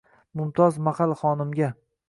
Mumtoz Mahal xonimga: